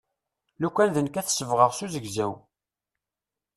Lukan d nekk ad t-sebɣeɣ s uzegzaw.